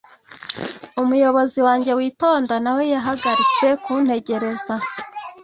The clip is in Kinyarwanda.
umuyobozi wanjye witonda na we yahagaritse kuntegereza